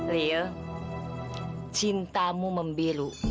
lila cintamu membelu